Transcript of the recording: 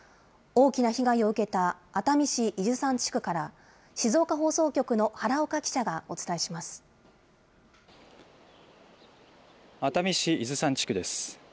大きな被害を受けた熱海市伊豆山地区から静岡放送局の原岡記者が熱海市伊豆山地区です。